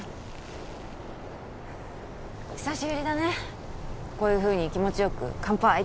久しぶりだねこういうふうに気持ちよく「乾杯！」